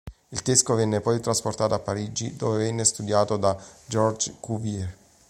Il teschio venne poi trasportato a Parigi, dove venne studiato da Georges Cuvier.